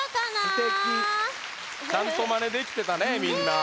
すてき！ちゃんとマネできてたねみんな。